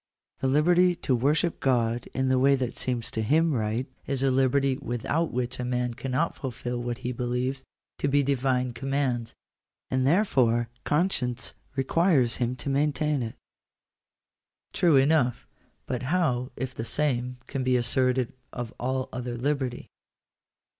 The liberty to worship God in the way that seems to him right, is a liberty without which a man cannot fulfil what he believes to be Divine commands, and therefore conscience requires him to maintain it." True enough; but how if the same can be asserted of all other liberty